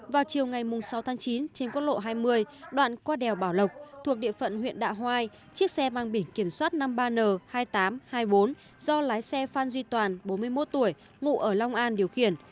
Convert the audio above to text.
vào chiều ngày sáu tháng chín trên quốc lộ hai mươi đoạn qua đèo bảo lộc thuộc địa phận huyện đạ hoai chiếc xe mang biển kiểm soát năm mươi ba n hai nghìn tám trăm hai mươi bốn do lái xe phan duy toàn bốn mươi một tuổi ngụ ở long an điều khiển